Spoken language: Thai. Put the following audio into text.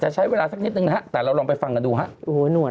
จะใช้เวลาสักนิดนึงนะแต่เราลองไปฟังกันดูนะโอ้โหนวด